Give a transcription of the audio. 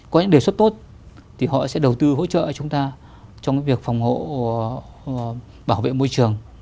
có những đề xuất tốt thì họ sẽ đầu tư hỗ trợ chúng ta trong cái việc phòng hộ bảo vệ môi trường